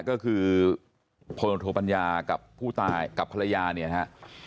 ก็คือพลโทปัญญากับผู้ตายกับภรรยาเนี่ยนะฮะ